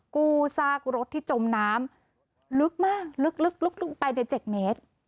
กู้ซากรถที่จมน้ำลึกมากลึกลึกลึกลึกไปในเจ็ดเมตร